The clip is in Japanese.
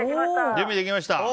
準備できました！